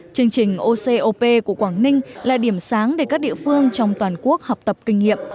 chương trình ocop của quảng ninh là điểm sáng để các địa phương trong toàn quốc học tập kinh nghiệm